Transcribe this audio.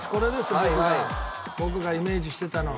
僕が僕がイメージしてたのは。